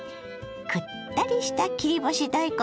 くったりした切り干し大根